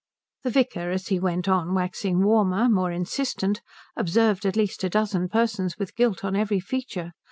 The vicar as he went on waxing warmer, more insistent, observed at least a dozen persons with guilt on every feature.